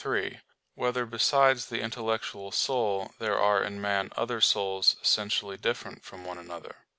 3] Whether Besides the Intellectual Soul There Are in Man Other Souls Essentially Different from One Another?